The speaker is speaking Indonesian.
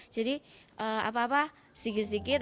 jadi apa apa sedikit sedikit